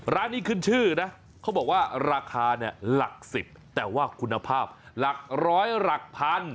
ร้านนี้ขึ้นชื่อนะเขาบอกว่าราคาเนี่ยหลัก๑๐แต่ว่าคุณภาพหลักร้อยหลักพัน